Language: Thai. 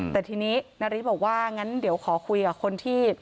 แต่ทีนี้นาริสบอกว่างั้นเดี๋ยวขอคุยกับคนที่